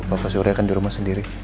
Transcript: bapak surya akan di rumah sendiri